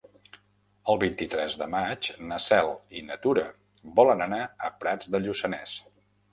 El vint-i-tres de maig na Cel i na Tura volen anar a Prats de Lluçanès.